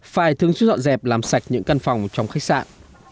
phải thướng suốt dọn dẹp làm sạch những căn phòng trong khách sạn